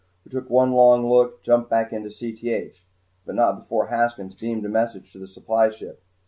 We took one long look and jumped back into Cth. But not before Haskins beamed a message to the supply ship.